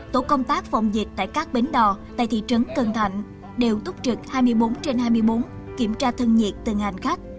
tổ công tác phòng dịch tại các bến đò tại thị trấn cần thạnh đều túc trực hai mươi bốn trên hai mươi bốn kiểm tra thân nhiệt từng hành khách